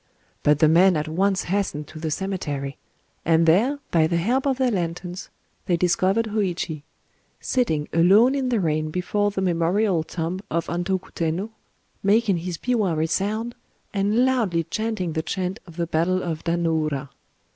But the men at once hastened to the cemetery; and there, by the help of their lanterns, they discovered Hōïchi,—sitting alone in the rain before the memorial tomb of Antoku Tennō, making his biwa resound, and loudly chanting the chant of the battle of Dan no ura.